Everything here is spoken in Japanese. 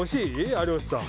有吉さん